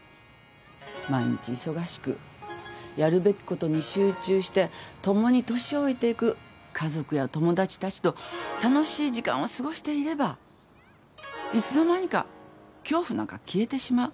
毎日忙しくやるべきことに集中して共に年老いていく家族や友達たちと楽しい時間を過ごしていればいつの間にか恐怖なんか消えてしまう。